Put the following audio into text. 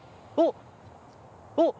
おっ！